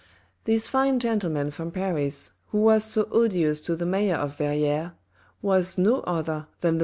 This fine gentleman from Paris, who was so odious to the mayor of Verrieres, was no other than the M.